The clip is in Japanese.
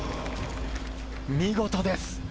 見事です！